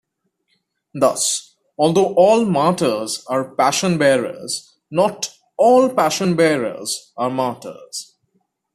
Thus, although all martyrs are passion bearers, not all passion bearers are martyrs.